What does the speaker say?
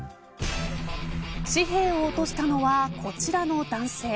紙幣を落としたのはこちらの男性。